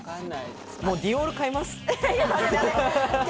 ディオール買います。